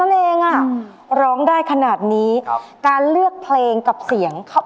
ความเดียวใดฉันปวดเล้าเหมือนถึงคราวสิ้นใจ